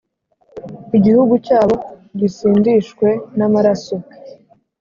igihugu cyabo gisindishwe n’amaraso,